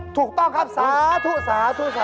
ถูกต้องครับสาธุสาธุครับ